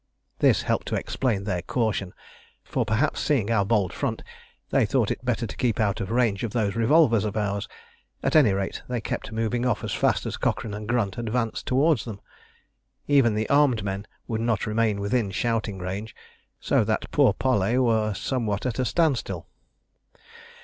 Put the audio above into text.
This helped to explain their caution, for perhaps seeing our bold front, they thought it better to keep out of range of those revolvers of ours; at any rate they kept moving off as fast as Cochrane and Grunt advanced towards them. Even the armed men would not remain within shouting range, so that pour parlers were somewhat at a standstill.